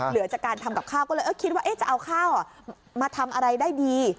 เหลือจากการทำกับข้าวก็เลยคิดว่าจะเอาข้าวมาทำอะไรได้ดี